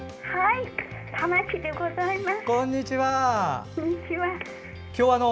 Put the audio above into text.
玉置でございます。